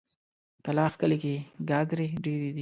کلاخ کلي کې ګاګرې ډېرې دي.